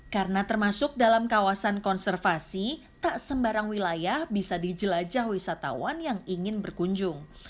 karena termasuk dalam kawasan konservasi tak sembarang wilayah bisa dijelajah wisatawan yang ingin berkunjung